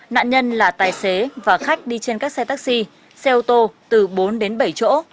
nạn nhân là tài xế và khách đi trên các xe taxi xe ô tô từ bốn đến bảy chỗ